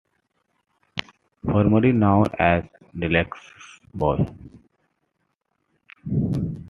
Formerly known as Deluxeboy.